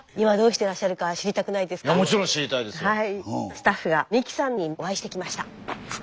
スタッフが美希さんにお会いしてきました。